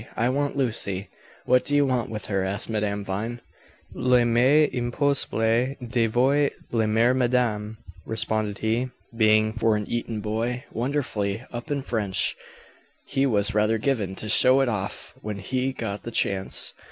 I want Lucy!" "What do you want with her?" asked Madame Vine. "Il m'est impossible de vous le dire madame," responded he. Being, for an Eton boy, wonderfully up in French, he was rather given to show it off when he got the chance.